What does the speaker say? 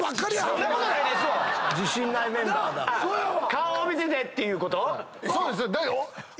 顔を見ててっていうこと？